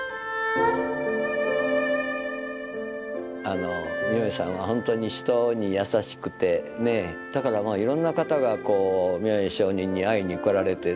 あの明恵さんはほんとに人に優しくてねえだからまあいろんな方がこう明恵上人に会いに来られて。